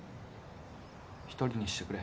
一人にしてくれ。